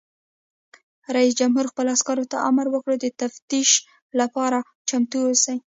رئیس جمهور خپلو عسکرو ته امر وکړ؛ د تفتیش لپاره چمتو اوسئ!